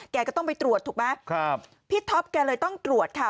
แกก็ต้องไปตรวจถูกไหมครับพี่ท็อปแกเลยต้องตรวจค่ะ